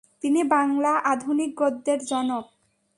তিনি বাংলা আধুনিক গদ্যের জনক।